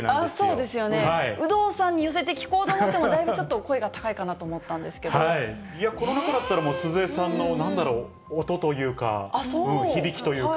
そうですよね、有働さんに寄せて聞こうと思っても、だいぶちょっと声が高いかないや、この中だったら鈴江さんの、なんだろう、音というか、響きというか。